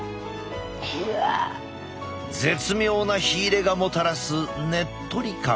絶妙な火入れがもたらすねっとり感。